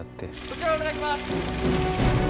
こちらお願いします！